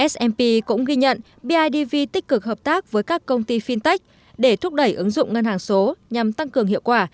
smp cũng ghi nhận bidv tích cực hợp tác với các công ty fintech để thúc đẩy ứng dụng ngân hàng số nhằm tăng cường hiệu quả